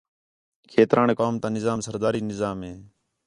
کھیتران قوم تا نظام سرداری نظام ہے